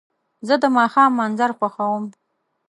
زه د ماښام منظر خوښوم.